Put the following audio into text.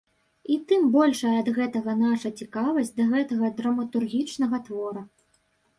І тым большая ад гэтага наша цікавасць да гэтага драматургічнага твора.